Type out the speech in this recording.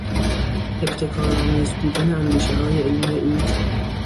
ابتکارآمیز بودن اندیشههای علمی او